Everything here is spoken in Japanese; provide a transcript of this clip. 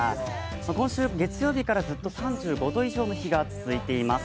今週月曜日からずっと３５度以上の日が続いています。